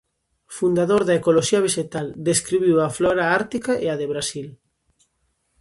Fundador da ecoloxía vexetal, describiu a flora ártica e a de Brasil.